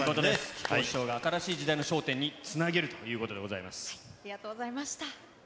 木久扇師匠がまた新しい時代の笑点につなげるということでございありがとうございました。